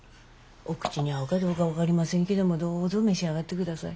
お口に合うかどうか分かりませんけどもどうぞ召し上がってください。